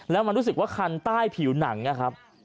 แล้วมันรู้สึกว่าคันใต้ผิวหนังนะครับ